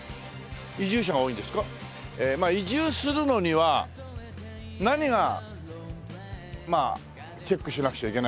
移住するのには何がまあチェックしなくちゃいけないのか。